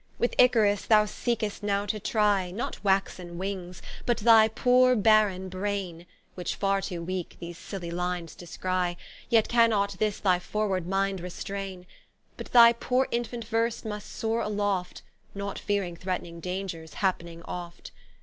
With Icarus, thou seekest now to trie, Not waxen wings, but thy poore barren Braine, Which farre too weake, these siely lines descrie; Yet cannot this thy forward Mind restraine, But thy poore Infant Verse must soare aloft, Not fearing threatning dangers, happening oft.